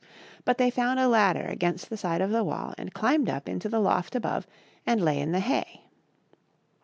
But they found a ladder against the side of the wall, and climbed up into the loft above and lay in the hay.